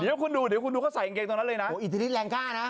เดี๋ยวคุณดูเดี๋ยวคุณดูเขาใส่กางเกงตรงนั้นเลยนะอิทธิฤทธแรงกล้านะ